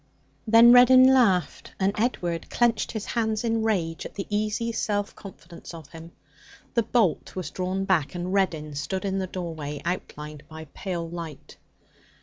Then Reddin laughed, and Edward clenched his hands in rage at the easy self confidence of him. The bolt was drawn back, and Reddin stood in the doorway, outlined by pale light.